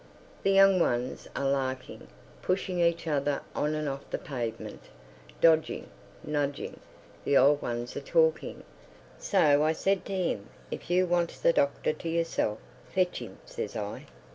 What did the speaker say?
The young ones are larking, pushing each other on and off the pavement, dodging, nudging; the old ones are talking: "So I said to 'im, if you wants the doctor to yourself, fetch 'im, says I."